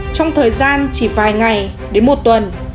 trong thời gian chỉ vài ngày đến một tuần